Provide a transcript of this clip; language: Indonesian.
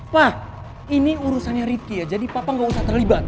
pak ini urusannya ricky ya jadi papa nggak usah terlibat